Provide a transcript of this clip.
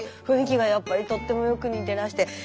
雰囲気がやっぱりとってもよく似てらして。